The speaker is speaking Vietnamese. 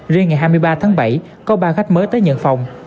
riêng ngày hai mươi ba tháng bảy có ba khách mới tới nhận phòng